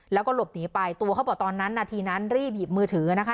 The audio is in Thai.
แล้วก็หลบหนีไปตัวเขาบอกตอนนั้นนาทีนั้นรีบหยิบมือถือนะคะ